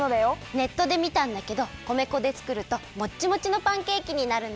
ネットでみたんだけど米粉でつくるともっちもちのパンケーキになるんだって。